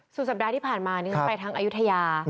สู่สัปดาห์ที่ผ่านมาไปทั้งอายุทยา